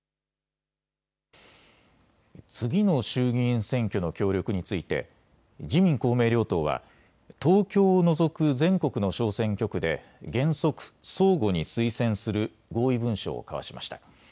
次の衆議院選挙の協力について自民公明両党は東京を除く全国の小選挙区で原則、相互に推薦する合意文書を交わしました。